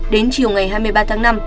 đến chiều ngày hai mươi ba tháng năm